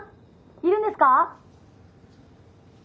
いるんですか？